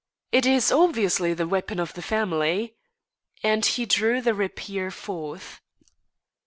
"It is obviously the weapon of the family." And he drew the rapier forth.